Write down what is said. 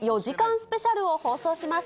スペシャルを放送します。